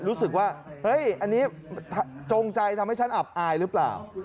รู้สึกว่าเฮ้ยอันนี้จงใจทำให้ฉันอับอายหรือเปล่า